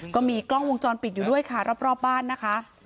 ก็มีกล้องวงจรปิดอยู่ด้วยค่ะรอบบ้านนะคะ